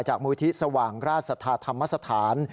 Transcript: จากมธิสวังราชธรรมสถาน